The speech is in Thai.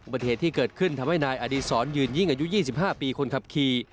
เหตุที่เกิดขึ้นทำให้นายอดีศรยืนยิ่งอายุ๒๕ปีคนขับขี่